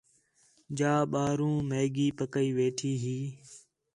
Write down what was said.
جا ٻاہروں میگی پکئی ویٹھی ہے